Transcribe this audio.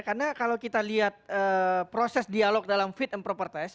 karena kalau kita lihat proses dialog dalam fit and proper test